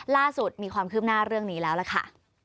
ล่าสุดมีความคืบหน้าเรื่องนี้แล้วล่ะค่ะ